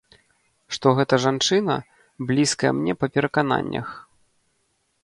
Што гэта жанчына, блізкая мне па перакананнях.